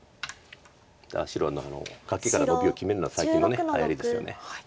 白はカケからノビを決めるのは最近のはやりですよね。